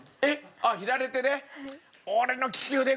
あっ左手で？